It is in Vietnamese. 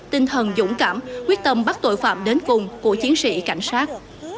tinh thần dũng cảm quyết tâm bắt tội phạm đến cùng của chiến sĩ cảnh sát